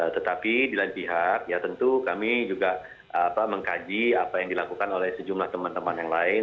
tetapi di lain pihak ya tentu kami juga mengkaji apa yang dilakukan oleh sejumlah teman teman yang lain